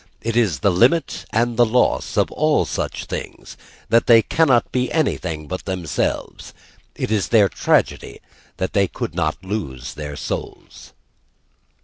It is the limit and the loss of all such things that they cannot be anything but themselves: it is their tragedy that they could not lose their souls.